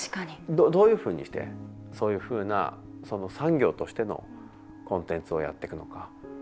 どういうふうにしてそういうふうな産業としてのコンテンツをやってくのか。